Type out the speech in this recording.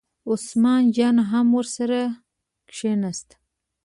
عثمان جان هم ورسره کېناست.